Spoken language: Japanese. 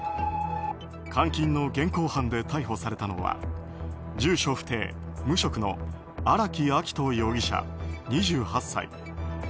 監禁の現行犯で逮捕されたのは住所不定・無職の荒木秋冬容疑者、２８歳。